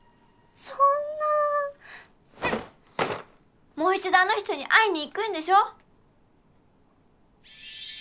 そんなもう一度あの人に会いに行くんでしょ？